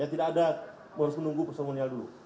tidak ada yang harus menunggu seremonial dulu